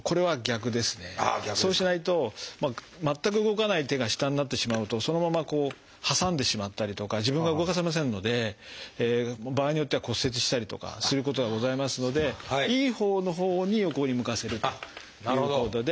そうしないと全く動かない手が下になってしまうとそのままこう挟んでしまったりとか自分が動かせませんので場合によっては骨折したりとかすることがございますのでいいほうのほうに横に向かせるということで。